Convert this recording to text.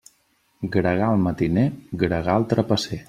Gregal matiner, gregal trapasser.